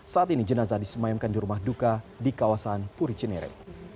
saat ini jenazah disemayamkan di rumah duka di kawasan puricinere